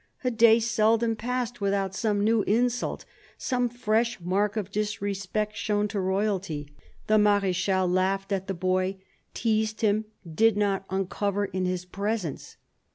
A day seldom passed without some new insult, some fresh mark of disrespect shown to Royalty. The Mardchal THE BISHOP OF LUyON 95 laughed at the boy, teased him, did not uncover in his presence.